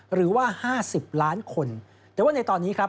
หรือว่า๕๐ล้านคนแต่ว่าในตอนนี้ครับ